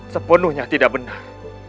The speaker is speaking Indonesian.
sepenuhnya tidak benar